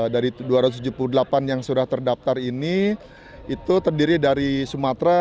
dari dua ratus tujuh puluh delapan yang sudah terdaftar ini itu terdiri dari sumatera